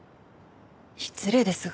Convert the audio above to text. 失礼ですが。